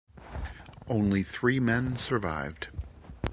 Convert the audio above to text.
Only three men survived.